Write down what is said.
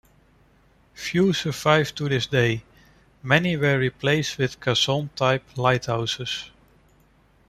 Few survive to this day; many were replaced with caisson-type lighthouses.